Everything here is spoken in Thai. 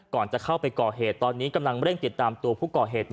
ก่อนจะเข้าไปก่อเหตุตอนนี้กำลังเร่งติดตามตัวผู้ก่อเหตุ